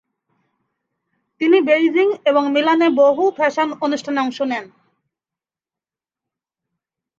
তিনি বেইজিং এবং মিলানে বহু ফ্যাশন অনুষ্ঠানে অংশ নেন।